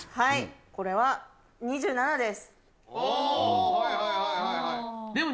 これは２７です。